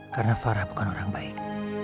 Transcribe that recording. karena farah bukan orang baik